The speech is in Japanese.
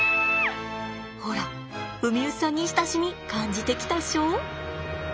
ほらウミウシさんに親しみ感じてきたっしょ？